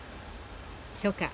初夏